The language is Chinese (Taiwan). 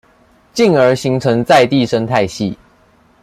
進而形成在地生態系